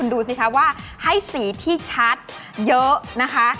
ดูสิคะว่าให้สีที่ชัดเยอะนะคะ